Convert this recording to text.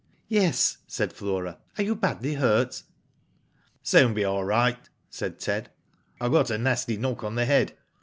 *'Yes," said Flora; "are you badly hurt?" Soon be all right,'* said Ted. " I got a nasty knock on the head.